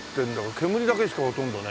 煙だけしかほとんどね。